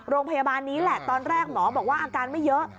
โรงพยาบาลนี้แหละตอนแรกหมอบอกว่าอาการไม่เยอะ